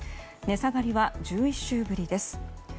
値下がりは１１週ぶりです。